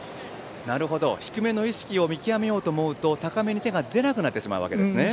なるほど、低めの意識を見極めようと思うと高めに手が出なくなってしまうわけですね。